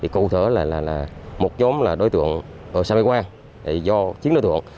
câu thở là một nhóm là đối tượng ở sà mê quang do chín đối tượng